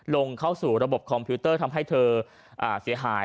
ลงเข้าสู่ระบบคอมพิวเตอร์ทำให้เธอเสียหาย